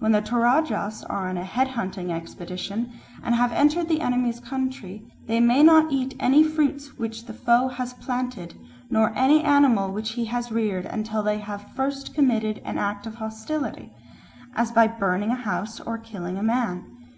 When the Toradjas are on a head hunting expedition and have entered the enemy's country, they may not eat any fruits which the foe has planted nor any animal which he has reared until they have first committed an act of hostility, as by burning a house or killing a man.